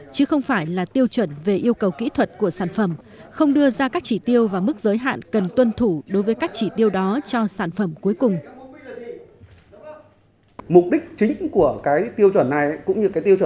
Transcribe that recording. chứ không phải là tiêu chuẩn về yêu cầu kỹ thuật của sản phẩm không đưa ra các chỉ tiêu và mức giới hạn cần tuân thủ đối với các chỉ tiêu đó cho sản phẩm cuối cùng